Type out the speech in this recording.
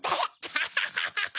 アハハハハ！